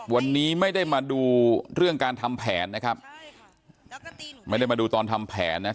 วันนี้ไม่ได้มาดูเรื่องการทำแผนนะครับไม่ได้มาดูตอนทำแผนนะ